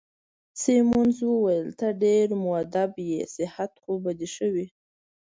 سیمونز وویل: ته ډېر مودب يې، صحت خو به دي ښه وي؟